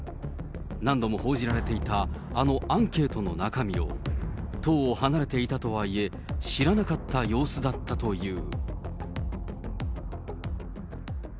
何度も報じられていたあのアンケートの中身を、党を離れていたとはいえ、知らなかった様子だったという。